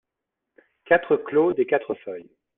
quatre clos des Quatre Feuilles